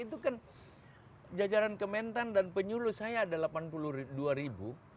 itu kan jajaran kementan dan penyuluh saya ada delapan puluh dua ribu